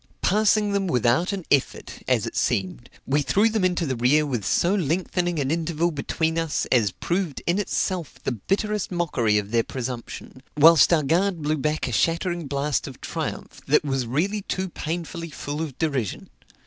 Passing them without an effort, as it seemed, we threw them into the rear with so lengthening an interval between us, as proved in itself the bitterest mockery of their presumption; whilst our guard blew back a shattering blast of triumph, that was really too painfully full of derision.